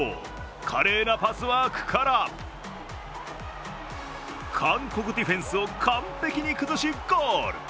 華麗なパスワークから韓国ディフェンスを完璧に崩しゴール。